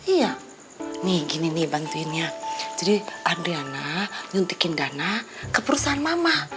iya nih gini nih bantuinnya jadi adriana nyuntikin dana ke perusahaan mama